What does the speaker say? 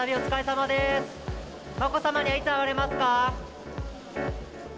まこさまにはいつ会われますか？